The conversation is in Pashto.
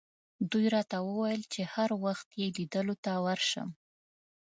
دوی راته وویل چې هر وخت یې لیدلو ته ورشم.